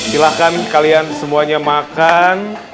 silahkan kalian semuanya makan